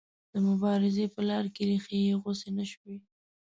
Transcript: د مبارزې په لاره کې ریښې یې غوڅې نه شوې.